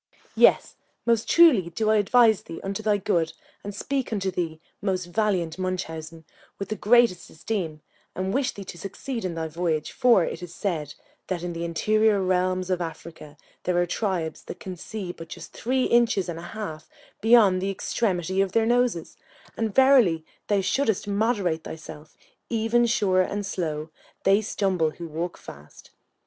Yes, most truly do I advise thee unto thy good, and speak unto thee, most valiant Munchausen, with the greatest esteem, and wish thee to succeed in thy voyage; for it is said, that in the interior realms of Africa there are tribes that can see but just three inches and a half beyond the extremity of their noses; and verily thou shouldest moderate thyself, even sure and slow; they stumble who walk fast.